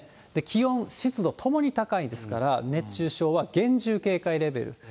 気温、湿度ともに高いですから、熱中症は厳重警戒レベル。